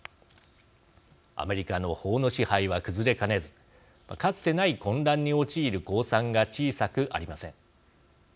アメリカの法の支配は崩れかねずかつてない混乱に陥る公算が小さくありません。